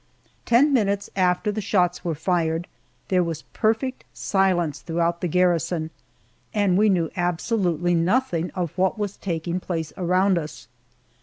Ten minutes after the shots were fired there was perfect silence throughout the garrison, and we knew absolutely nothing of what was taking place around us.